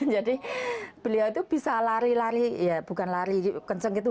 jadi beliau itu bisa lari lari ya bukan lari kenceng gitu